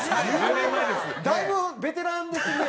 だいぶベテランですね